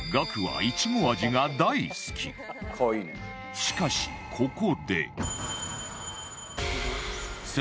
しかしここで